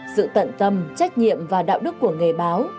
sự tận tâm trách nhiệm và đạo đức của nghề báo